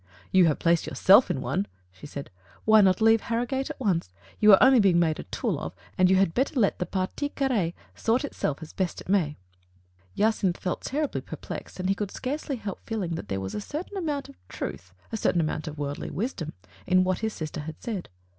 "You have placed yourself in one/' she said. "Why not leave Harrogate at once? You are only being made a tool of, and you had better let the partie carr^e sort itself as best it may." Jacynth felt terribly perplexed, and he could scarcely help feeling that there was a certain amount of truth — a certain amount of worldly wisdom — in what his sister had said.